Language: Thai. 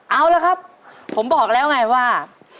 เอาละครับผมบอกแล้วไงว่า